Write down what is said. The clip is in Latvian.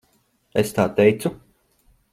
Es tā teicu?